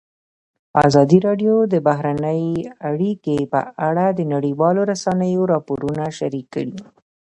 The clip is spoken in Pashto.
ازادي راډیو د بهرنۍ اړیکې په اړه د نړیوالو رسنیو راپورونه شریک کړي.